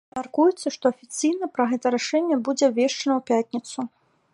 Мяркуецца, што афіцыйна пра гэтае рашэнне будзе абвешчана ў пятніцу.